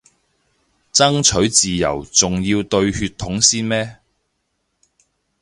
爭取自由仲要對血統先咩